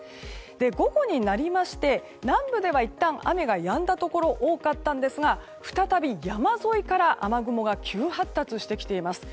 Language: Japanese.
午後になりまして、南部ではいったん雨がやんだところが多かったんですが再び山沿いから雨雲が急発達してきています。